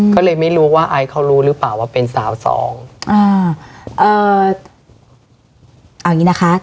ก็เลยไม่รู้ว่าไอซ์เขารู้หรือเปล่าว่าเป็นสาวสองอ่าเอ่อเอาอย่างงี้นะคะ